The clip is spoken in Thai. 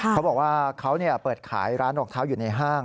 เขาบอกว่าเขาเปิดขายร้านรองเท้าอยู่ในห้าง